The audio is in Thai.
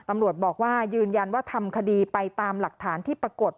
ตำรวจบอกว่ายืนยันว่าทำคดีไปตามหลักฐานที่ปรากฏ